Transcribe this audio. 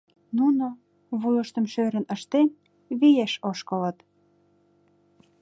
Нуно, вуйыштым шӧрын ыштен, виеш ошкылыт.